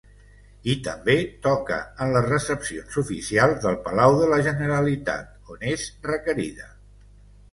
I també toca en les recepcions oficials del Palau de la Generalitat on és requerida.